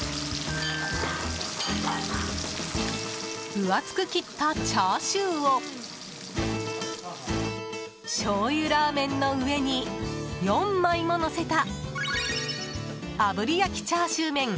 分厚く切ったチャーシューをしょうゆラーメンの上に４枚ものせたあぶり焼チャーシューメン。